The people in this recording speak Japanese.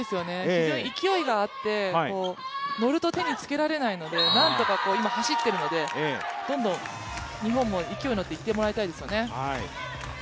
非常に勢いがあって乗ると手につけられないので何とか今、走っているので、どんどん日本も勢いに乗っていってもらいたいですよね。